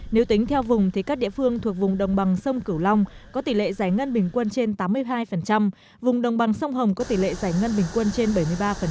nếu tính theo vùng thì các địa phương thuộc vùng đồng bằng sông cửu long có tỷ lệ giải ngân bình quân trên tám mươi hai vùng đồng bằng sông hồng có tỷ lệ giải ngân bình quân trên bảy mươi ba